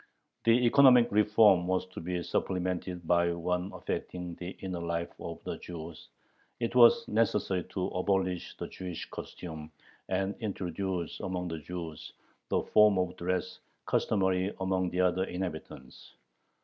The economic reform was to be supplemented by one affecting the inner life of the Jews. It was necessary "to abolish the Jewish costume and introduce among the Jews the form of dress customary among the other inhabitants."